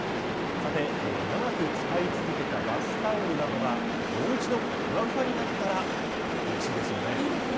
さて、長く使い続けたバスタオルなどが、もう一度ふわふわになったら、うれしいですよね。